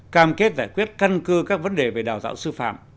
cam kết giải quyết căn cơ các vấn đề về đào tạo sư phạm